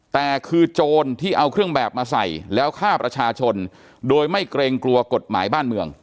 แต่คือโจรที่เอาเครื่องแบบมาใส่แล้วฆ่าประชาชนโดยไม่เกรงกลัวกฎหมายบ้านเมือง